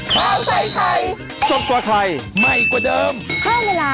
กระแทงกระแทง